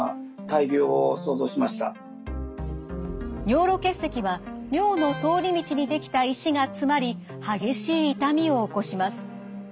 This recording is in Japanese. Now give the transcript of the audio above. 尿路結石は尿の通り道にできた石が詰まり激しい痛みを起こします。